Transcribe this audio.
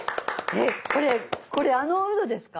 えっこれこれあのウドですか？